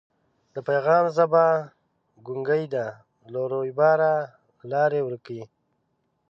د پیغام ژبه ګونګۍ ده له رویباره لاري ورکي